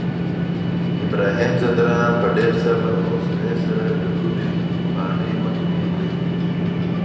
ابراهیم ځدراڼ په ډېر صبر او حوصلې سره د لوبې پاڼۍ مخکې وړي.